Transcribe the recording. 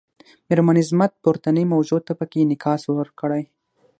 میرمن عظمت پورتنۍ موضوع ته پکې انعکاس ورکړی.